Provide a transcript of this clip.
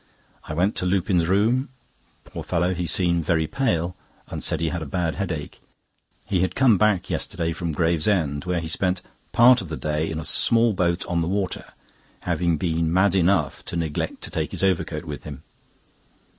I went to Lupin's room; poor fellow, he seemed very pale, and said he had a bad headache. He had come back yesterday from Gravesend, where he spent part of the day in a small boat on the water, having been mad enough to neglect to take his overcoat with him.